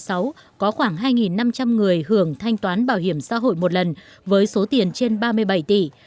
năm hai nghìn một mươi sáu có khoảng hai năm trăm linh người hưởng thanh toán bảo hiểm xã hội một lần với số tiền trên ba mươi bảy tỷ